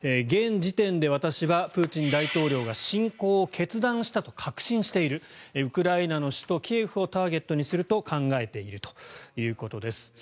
現時点で私はプーチン大統領が侵攻を決断したと確信しているウクライナの首都キエフをターゲットにすると考えているということです。